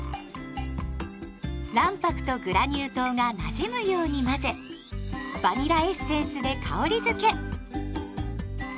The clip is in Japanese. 卵白とグラニュー糖がなじむように混ぜバニラエッセンスで香りづけ。